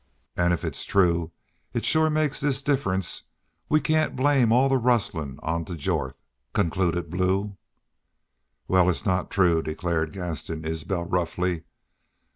"An' if it's true it shore makes this difference we cain't blame all the rustlin' on to Jorth," concluded Blue. "Wal, it's not true," declared Gaston Isbel, roughly.